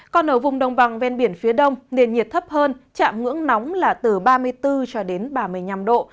còn ở vùng đồng bằng ven biển phía đông nền nhiệt thấp hơn chạm ngưỡng nóng là từ ba mươi bốn cho đến ba mươi năm độ